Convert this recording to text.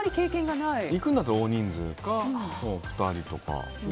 行くんだったら大人数か２人とか。